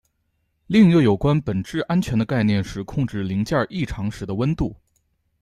另一个有关本质安全的概念是控制零件异常时的温度。